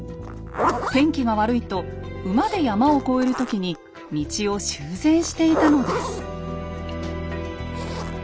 天気が悪いと馬で山を越える時に道を修繕していたのです。